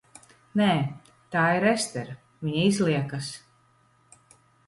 Nē. Tā ir Estere, viņa izliekas.